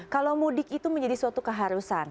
kalau mudik itu menjadi suatu keharusan